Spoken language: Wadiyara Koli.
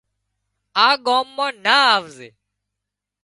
آ ڳام مان نا آوزي